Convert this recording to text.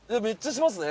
しますね。